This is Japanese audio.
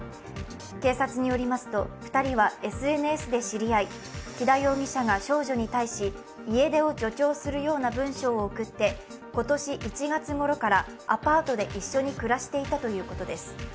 警察によりますと、２人はＳＮＳで知り合い、木田容疑者が少女に対し、家出を助長するような文章を送って今年１月ごろからアパートで一緒に暮らしていたということです。